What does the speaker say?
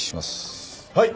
はい！